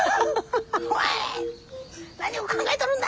お前何を考えとるんだ！